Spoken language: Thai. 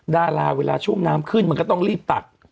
ดาราเวลาช่วงน้ำขึ้นมันก็ต้องรีบตัก